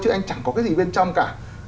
chứ anh chẳng có cái gì bên trong cả